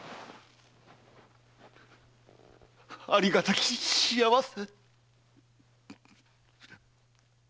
ありがたき幸せ！